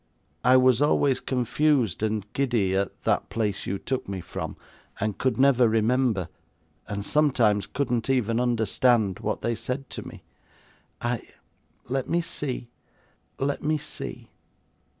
I was always confused and giddy at that place you took me from; and could never remember, and sometimes couldn't even understand, what they said to me. I let me see let me see!